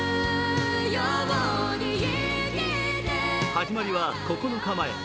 始まりは９日前。